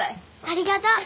ありがとう。